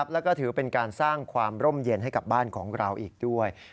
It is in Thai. แล้วก็ถือเป็นการสร้างความร่มเย็นให้กับบ้านของเราอีกด้วย